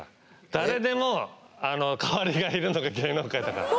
誰でも代わりがいるのが芸能界だから。